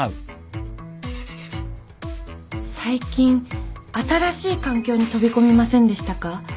最近新しい環境に飛び込みませんでしたか？